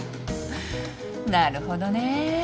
なるほどね。